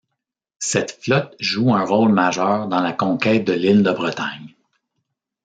Cette flotte joue un rôle majeur dans la conquête de l'île de Bretagne.